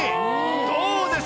どうです？